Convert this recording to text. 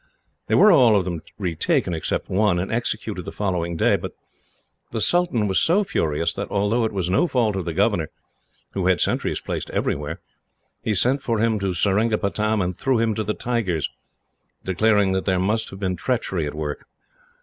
They were all of them retaken, except one, and executed the following day; but the sultan was so furious that, although it was no fault of the governor, who had sentries placed everywhere, he sent for him to Seringapatam, and threw him to the tigers, declaring that there must have been treachery at work.